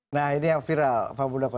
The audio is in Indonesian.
nah ini yang viral pak muldoko